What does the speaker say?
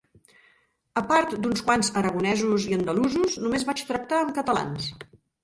A part d'uns quants aragonesos i andalusos, només vaig tractar amb catalans